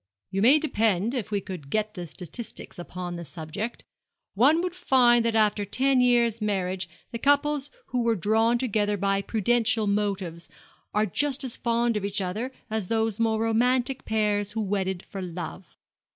You may depend, if we could get statistics upon the subject, one would find that after ten years' marriage the couples who were drawn together by prudential motives are just as fond of each other as those more romantic pairs who wedded for love.